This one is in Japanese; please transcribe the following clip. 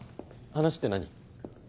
話って何？